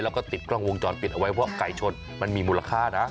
แล้วก็ติดกล้องวงจรปิดเอาไว้เพราะไก่ชนมันมีมูลค่านะ